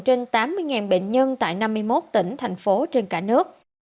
trên tám mươi bệnh nhân tại năm mươi một tỉnh thành phố trên cả nước